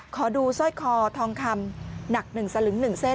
ขอดูสร้อยคอทองคำหนัก๑สลึง๑เส้น